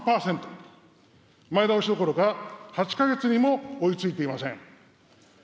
前倒しどころか、８か月にも追いついていません。